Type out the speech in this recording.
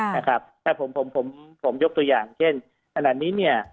นะครับแต่ผมผมผมยกตัวอย่างเช่นขนาดนี้เนี่ย